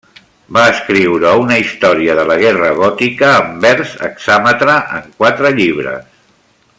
Va escriure una història de la guerra gòtica en vers hexàmetre en quatre llibres.